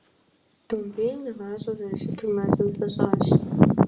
Домбейм и гъащӏэр зэрыщыту мэзым пыщӏащ.